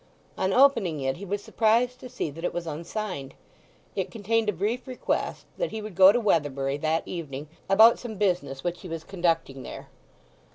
On opening it he was surprised to see that it was unsigned. It contained a brief request that he would go to Weatherbury that evening about some business which he was conducting there.